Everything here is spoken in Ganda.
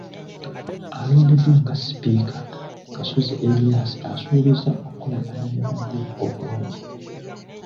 Alondeddwa nga sipiika, Kasozi Erias asuubizza okukolagana ne banne obulungi.